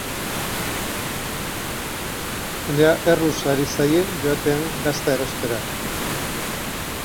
Jendea erruz ari zaie joaten gazta erostera.